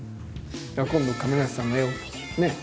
今度亀梨さんの絵をね